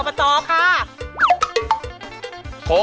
สวัสดีค่ะ